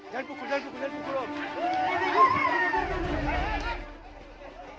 jangan pukul jangan pukul jangan pukul